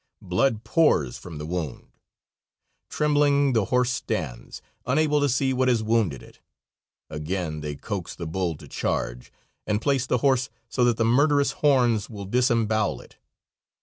Blood pours from the wound; trembling the horse stands, unable to see what has wounded it. Again, they coax the bull to charge, and place the horse so that the murderous horns will disembowel it.